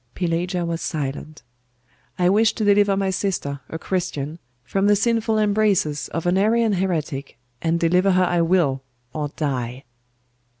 Pelagia was silent. 'I wish to deliver my sister, a Christian, from the sinful embraces of an Arian heretic; and deliver her I will, or die!